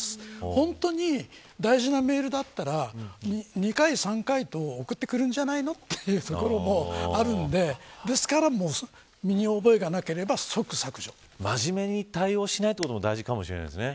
本当に大事なメールだったら２回３回と送ってくれるんじゃないのというところもあるのでですから、身に覚えがなければ真面目に対応しないということも大事かもしれませんね。